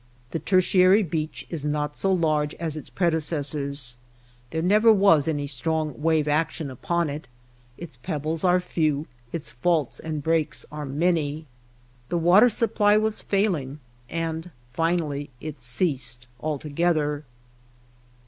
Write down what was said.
The tertiary beach is not so large as its predecessors. There never was any strong wave action upon it, its pebbles are few, its faults and breaks are many. The water supply was failing, and finally it ceased altogether.